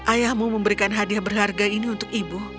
ayahmu memberikan hadiah berharga ini untuk ibu